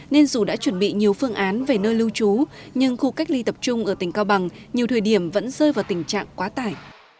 nên dù đã chuẩn bị nhiều phương án về nơi lưu trú nhưng khu cách ly tập trung ở tỉnh cao bằng nhiều thời điểm vẫn rơi vào tình trạng quá tải